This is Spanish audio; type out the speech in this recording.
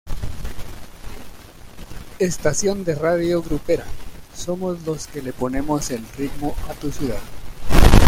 Estación de radio grupera, somos los que le ponemos el "Ritmo a tu Ciudad".